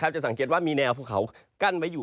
จะสังเกตว่ามีแนวภูเขากั้นไว้อยู่